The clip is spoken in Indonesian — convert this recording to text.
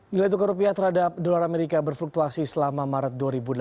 nilai tukar rupiah terhadap dolar amerika berfluktuasi selama maret dua ribu delapan belas